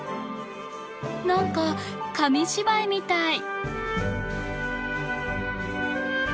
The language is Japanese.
何か紙芝居みたい！